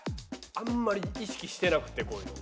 あんまり意識してなくてこういうの。